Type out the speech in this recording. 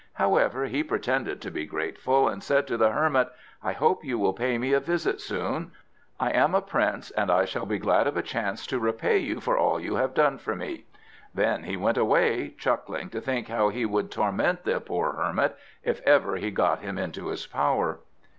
However, he pretended to be grateful, and said to the Hermit: "I hope you will pay me a visit soon. I am a Prince, and I shall be glad of a chance to repay you for all you have done for me." Then he went away, chuckling to think how he would torment the poor Hermit, if ever he got him into his power.